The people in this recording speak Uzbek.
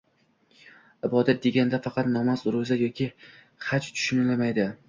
Ibodat, deganda faqat namoz, ro‘za yoki haj tushunilmaydi.